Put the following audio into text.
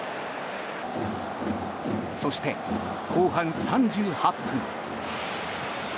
そして、後半３８分。